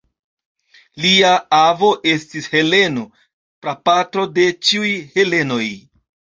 Lia avo estis Heleno, prapatro de ĉiuj helenoj.